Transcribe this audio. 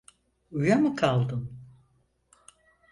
Uyuya mı kaldın?